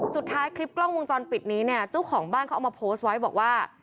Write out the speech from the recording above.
คลิปกล้องวงจรปิดนี้เนี่ยเจ้าของบ้านเขาเอามาโพสต์ไว้บอกว่า